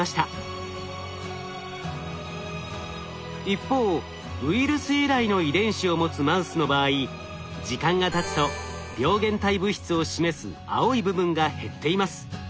一方ウイルス由来の遺伝子を持つマウスの場合時間がたつと病原体物質を示す青い部分が減っています。